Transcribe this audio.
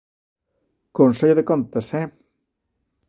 Consello de Contas, ¡eh!